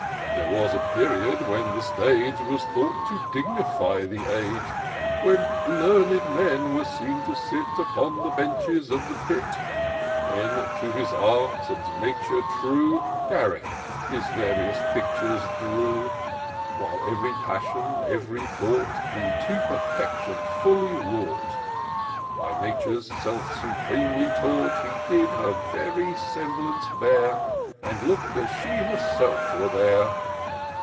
There was a period, when the stage Was thought to dignify the age ; When learned men were seen to sit Upon the benches of the pit ; When, to his art and Nature true, Garrick his various pictures drew ; While ev'ry passion, ev'ry thought. He to perfection fully wrought ; By Nature's self supremely taught. He did her very semblance bear. And look'd as she herself were there.